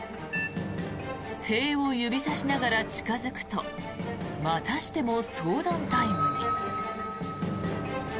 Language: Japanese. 塀を指さしながら近付くとまたしても相談タイムに。